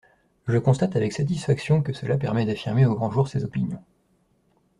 Je constate avec satisfaction que cela permet d’affirmer au grand jour ses opinions.